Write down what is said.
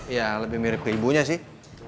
ya lebih mirip ke ibunya sih